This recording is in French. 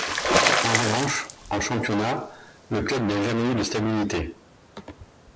En revanche, en championnat, le club n'a jamais eu de stabilité.